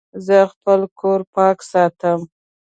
زه خپل کور پاک ساتم.